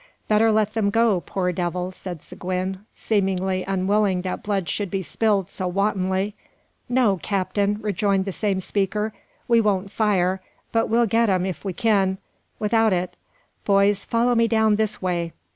"Better let them go, poor devils!" said Seguin, seemingly unwilling that blood should be spilled so wantonly. "No, captain," rejoined the same speaker, "we won't fire, but we'll git them, if we kin, 'ithout it. Boys, follow me down this way."